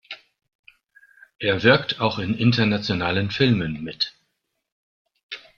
Er wirkt auch in internationalen Filmen mit.